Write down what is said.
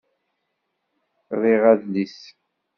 Riɣ adlis.